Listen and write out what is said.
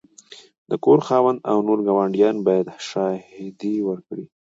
د کور خاوند او نور ګاونډیان باید شاهدي ورکړي.